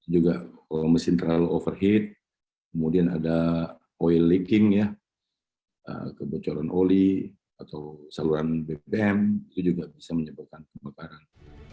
juga mesin terlalu overheat kemudian ada oil leaking ya kebocoran oli atau saluran bbm itu juga bisa menyebabkan kebakaran